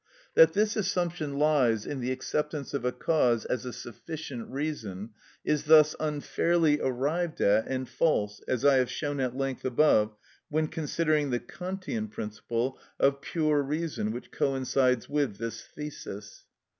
That this assumption lies in the acceptance of a cause as a sufficient reason is thus unfairly arrived at and false, as I have shown at length above when considering the Kantian principle of pure reason which coincides with this thesis.